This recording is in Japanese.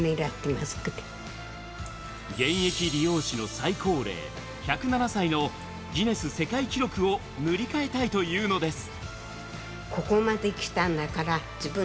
現役理容師の最高齢１０７歳のギネス世界記録を塗り替えたいというのです。